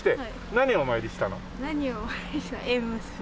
何をお参りした縁結び。